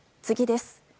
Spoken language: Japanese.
次です。